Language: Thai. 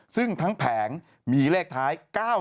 ซึ่งทั้งแผงมีเลขท้าย๙๓